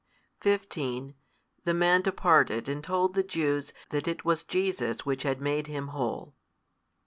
15 The man departed, and told the Jews that it was Jesus Which had made him whole.